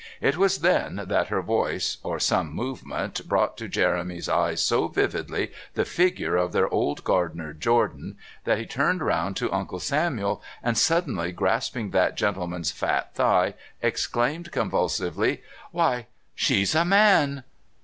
It was then that her voice or some movement brought to Jeremy's eyes so vividly the figure of their old gardener, Jordan, that he turned round to Uncle Samuel, and suddenly grasping that gentleman's fat thigh, exclaimed convulsively: "Why, she's a man!"